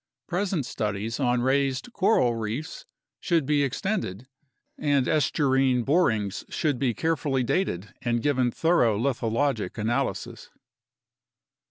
Present studies on raised coral reefs should be extended, and estuarine borings should be carefully dated and given thorough lithologic analysis.